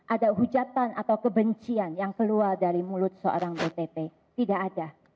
ada hujatan atau kebencian yang keluar dari mulut seorang btp tidak ada